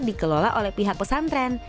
dikelola oleh pihak pesantren